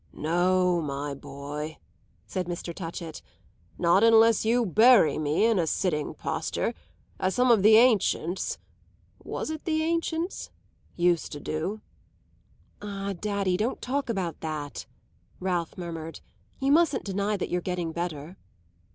"No, my boy," said Mr. Touchett, "not unless you bury me in a sitting posture, as some of the ancients was it the ancients? used to do." "Ah, daddy, don't talk about that," Ralph murmured. "You mustn't deny that you're getting better."